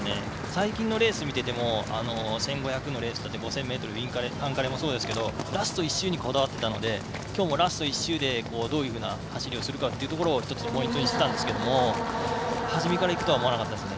最近のレース見てても１５００ｍとかインカレもそうですけどラスト１周にこだわったのでラスト１周にどうこだわった走りをするかというところを１つポイントにしていたんですが初めからいくとは思わなかったです。